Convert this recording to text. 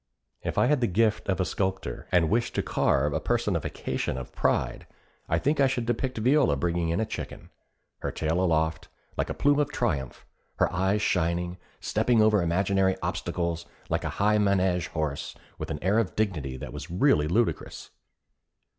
If I had the gift of a sculptor and wished to carve a personification of pride, I think I should depict Viola bringing in a chicken her tail aloft, like a plume of triumph, her eyes shining, stepping over imaginary obstacles like a high manège horse with an air of dignity that was really ludicrous.